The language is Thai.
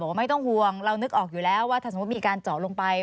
ว่าไม่ต้องห่วงเรานึกออกอยู่แล้วว่าถ้าสมมุติมีการเจาะลงไป